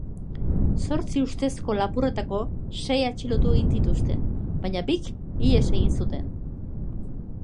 Zortzi ustezko lapurretako sei atxilotu egin zituzten, baina bik ihes egin zuten.